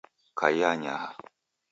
Kaia anyaha